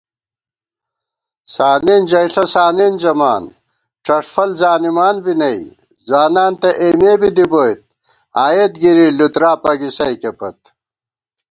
سانېن ژَئیݪہ سانېن ژَمان ڄݭفل زانِمان بی نئ * ځوانان تہ اېمے بی دِبوئیت آئیت گِرِی لُترا پگِسَئیکے پت